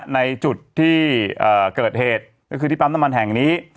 ในจุดที่เกิดเหตุก็คือที่ปั๊มน้ำมันแห่งนี้